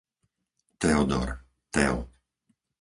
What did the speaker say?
Teodor, Teo